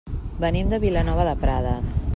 Venim de Vilanova de Prades.